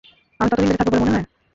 আমি ততদিন বেঁচে থাকবো বলে মনে হয়?